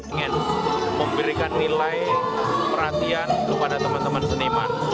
ingin memberikan nilai perhatian kepada teman teman seniman